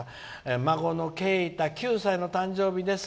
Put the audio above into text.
「孫のけいた、９歳の誕生日です。